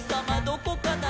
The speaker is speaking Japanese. どこかな？」